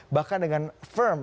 bahkan dengan firm